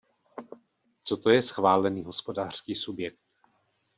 Co to je schválený hospodářský subjekt?